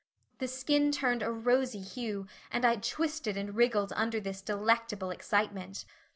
The skin turned a rosy hue and I twisted and wriggled under this delectable excitement.